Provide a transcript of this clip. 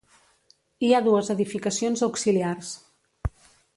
Hi ha dues edificacions auxiliars.